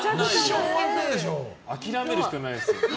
諦めるしかないですよ。